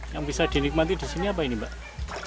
yang bisa dinikmati di sini apa ini mbak